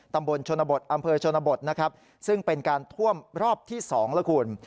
ตำบลชนบทอำเภอชนบทนะครับซึ่งเป็นการท่วมรอบที่๒แล้วคุณ